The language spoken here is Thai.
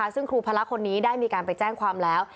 ซึ่งครูพระคนนี้ได้มีการไปแจ้งความแล้ว